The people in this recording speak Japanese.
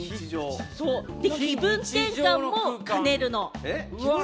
気分転換も兼ねるの。